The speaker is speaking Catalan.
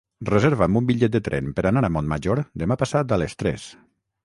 Reserva'm un bitllet de tren per anar a Montmajor demà passat a les tres.